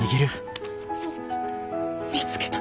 見つけた。